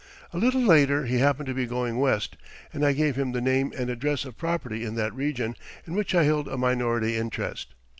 A little later he happened to be going West, and I gave him the name and address of property in that region in which I held a minority interest.